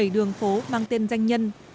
một mươi bảy đường phố mang tên danh nhân